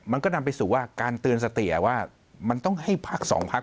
มันก็นำไปสู่ว่าการเตือนสติว่ามันต้องให้พักสองพัก